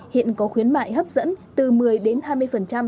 hiện có khuyến mại hấp dẫn từ một mươi đến hai mươi